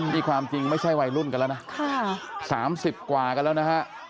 นี่ความจริงไม่ใช่วัยรุ่นกันแล้วนะ๓๐กว่ากันแล้วนะฮะ